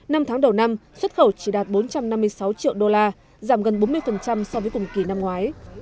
năm tháng đầu năm xuất khẩu chỉ đạt bốn trăm năm mươi sáu triệu đô la giảm gần bốn mươi so với cùng kỳ năm ngoái